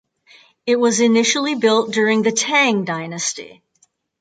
It was initially built during the Tang dynasty.